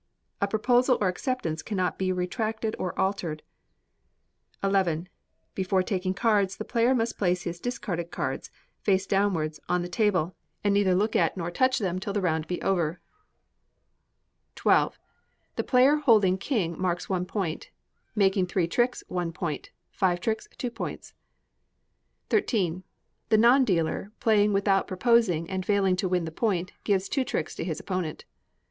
A proposal or acceptance cannot be retracted or altered. xi. Before taking cards, the player must place his discarded cards, face downwards, on the table, and neither look at or touch them till the round be over. xii. The player holding king marks one point; making three tricks, one point; five tricks, two points. xiii. The non dealer playing without proposing and failing to win the point, gives two tricks to his opponent.